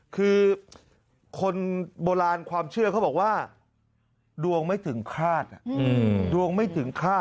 คือคนโบราณความเชื่อเขาบอกว่าดวงไม่ถึงฆาต